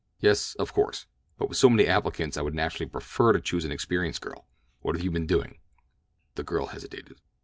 "Yes, of course; but with so many applicants I would naturally prefer to choose an experienced girl. What have you been doing?" The girl hesitated.